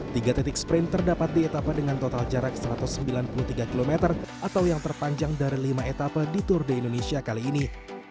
tiga titik sprint terdapat di etapa dengan total jarak satu ratus sembilan puluh tiga km atau yang terpanjang dari lima etapa di tour de indonesia kali ini